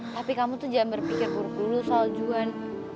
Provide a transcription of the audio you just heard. tapi kamu tuh jangan berpikir buruk dulu soal juan